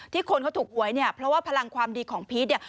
คนเขาถูกหวยเนี่ยเพราะว่าพลังความดีของพีชเนี่ย